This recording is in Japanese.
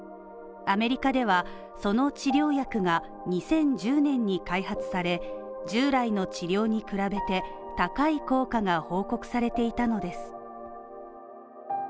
アメリカではその治療薬が２０１０年に開発され従来の治療に比べて高い効果が報告されていたのです。